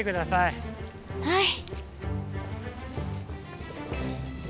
はい。